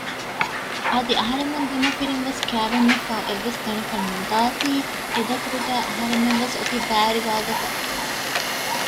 އަދި އަހަރެމެން ދެމަފިރިންވެސް ކައިވެންޏށްފަހު އެއްވެސް ތަނަކަށް ނުދާތީ އެދަތުރުގައި އަހަރެމެންވެސް އޮތީ ބައިވެރިވާގޮތަށް